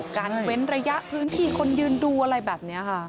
เว้นระยะพื้นที่คนยืนดูอะไรแบบนี้ค่ะ